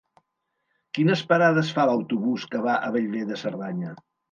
Quines parades fa l'autobús que va a Bellver de Cerdanya?